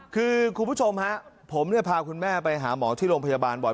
คือคุณผู้ชมฮะผมเนี่ยพาคุณแม่ไปหาหมอที่โรงพยาบาลบ่อย